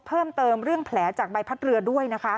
เพิ่มเติมเรื่องแผลจากใบพัดเรือด้วยนะคะ